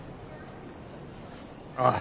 ああ。